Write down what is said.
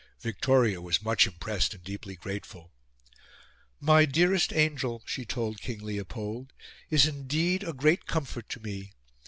Victoria was much impressed and deeply grateful. "My dearest Angel," she told King Leopold, "is indeed a great comfort to me.